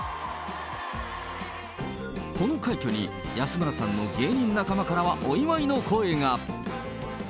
この快挙に、安村さんの芸人仲間からは、お祝いの声が。